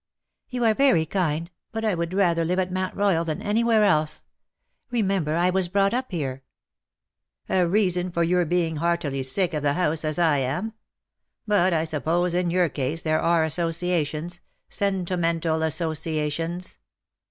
''^" Tou are very kind^ but I would rather live at Mount Royal than anywhere else. Remember I was brought up here." "A reason for your being heartily sick of the house — as I am. But I suppose in your case there are associations — sentimental associations."